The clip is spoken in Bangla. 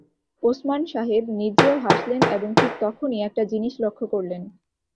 ওসমান সাহেব নিজেও হাসলেন এবং ঠিক তখনি একটা জিনিস লক্ষ্য করলেন।